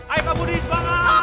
ayo kak budi semangat